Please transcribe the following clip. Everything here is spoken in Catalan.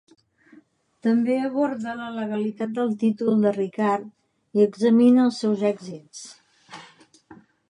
També aborda la legalitat del títol de Ricard i examina els seus èxits.